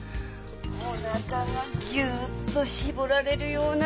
おなかがギュッと絞られるような。